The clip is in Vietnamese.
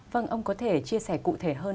vâng ông có thể chia sẻ cụ thể hơn